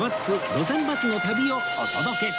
路線バスの旅』をお届け